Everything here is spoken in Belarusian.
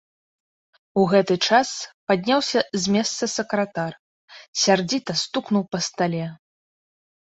У гэты час падняўся з месца сакратар, сярдзіта стукнуў па стале.